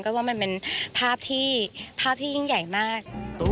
ก็ว่ามันเป็นภาพที่ยิ่งใหญ่มาก